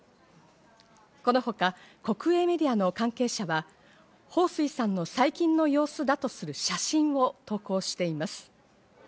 この他、国営メディアの関係者はホウ・スイさんの最近の様子だとする写真を投稿しています。